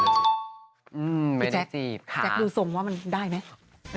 อื้อไม่ได้จีบค่ะแจ็คดูทรงว่ามันได้ไหม